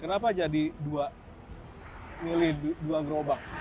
kenapa jadi dua milih dua gerobak